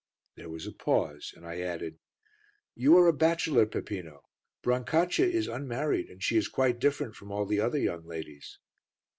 There was a pause, and I added, "You are a bachelor, Peppino, Brancaccia is unmarried and she is quite different from all the other young ladies."